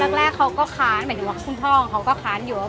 แรกเขาก็ค้านหมายถึงว่าคุณพ่อของเขาก็ค้านอยู่ว่า